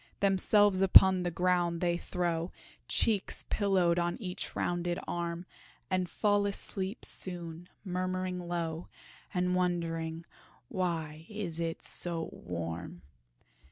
Themselves upon the ground they throw, Cheeks pillowed on each rounded arm And fall asleep soon, murmuring low, And wondering "why it is so warm?"